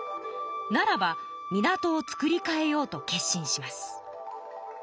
ならば港を造りかえようと決心します。